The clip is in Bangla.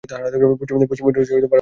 পশ্চিমে রয়েছে ভারতের পশ্চিমবঙ্গ।